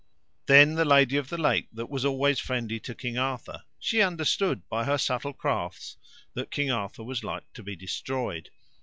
Then the Lady of the Lake that was alway friendly to King Arthur, she understood by her subtle crafts that King Arthur was like to be destroyed.